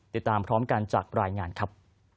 ติดตามพร้อมกันจากรายงานครับ